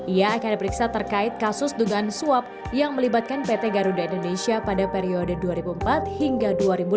ia akan diperiksa terkait kasus dugaan suap yang melibatkan pt garuda indonesia pada periode dua ribu empat hingga dua ribu dua puluh